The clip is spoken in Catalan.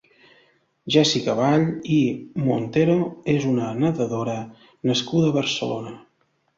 Jessica Vall i Montero és una nedadora nascuda a Barcelona.